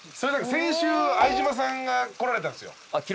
先週相島さんが来られたんすよ。